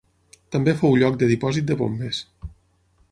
També fou lloc de dipòsit de bombes.